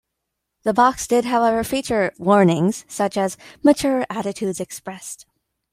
The box did, however, feature "warnings" such as "Mature Attitudes Expressed".